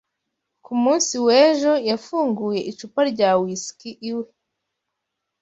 Ku munsi w'ejo, yafunguye icupa rya whiski iwe.